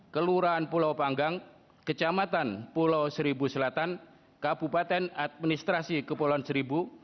kelurahan pulau panggang kecamatan pulau seribu selatan kabupaten administrasi kepulauan seribu